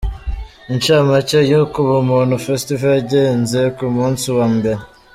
Incamake y’uko Ubumuntu Festival yagenze ku munsi wa mbere.